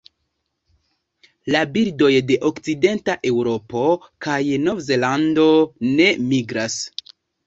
La birdoj de okcidenta Eŭropo kaj Novzelando ne migras.